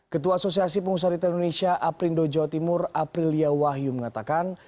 ketua asosiasi pengusaha retail indonesia aprindo jawa timur aprilia wahyu mengatakan